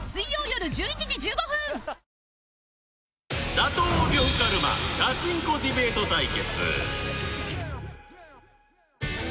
打倒呂布カルマガチンコディベート対決